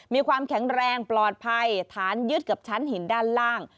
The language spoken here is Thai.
มีความแข็งแรงปลอดภัยฐานยึดกับชั้นหินด้านล่าง